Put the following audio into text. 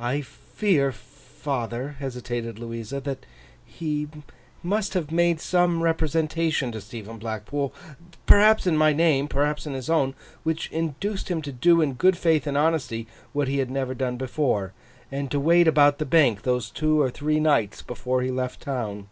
'I fear, father,' hesitated Louisa, 'that he must have made some representation to Stephen Blackpool—perhaps in my name, perhaps in his own—which induced him to do in good faith and honesty, what he had never done before, and to wait about the Bank those two or three nights before he left the town.